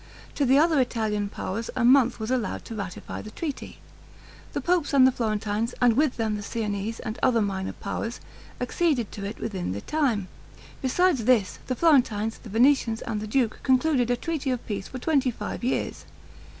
To the other Italian powers a month was allowed to ratify the treaty. The pope and the Florentines, and with them the Siennese and other minor powers, acceded to it within the time. Besides this, the Florentines, the Venetians, and the duke concluded a treaty of peace for twenty five years.